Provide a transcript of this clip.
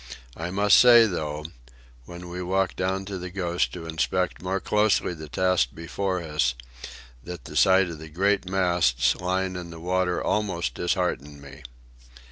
I must say, though, when we walked down to the Ghost to inspect more closely the task before us, that the sight of the great masts lying in the water almost disheartened me.